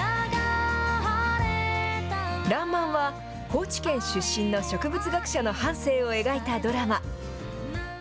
らんまんは、高知県出身の植物学者の半生を描いたドラマ。